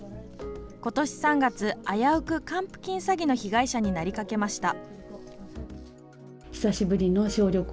ことし３月、危うく還付金詐欺の被害者になりかけました。